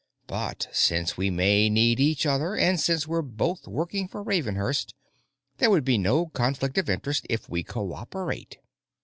But since we may need each other, and since we're both working for Ravenhurst, there would be no conflict of interest if we co operate.